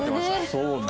そうね。